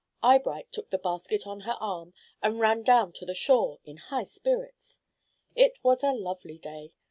Eyebright took the basket on her arm, and ran down to the shore in high spirits. It was a lovely day.